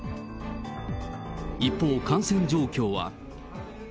一方、感染状況は。